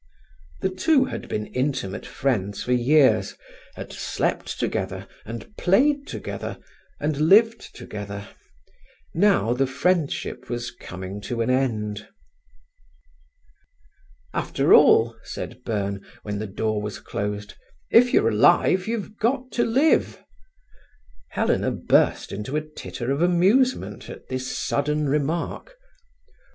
The two had been intimate friends for years, had slept together, and played together and lived together. Now the friendship was coming to an end. "After all," said Byrne, when the door was closed, "if you're alive you've got to live." Helena burst into a titter of amusement at this sudden remark.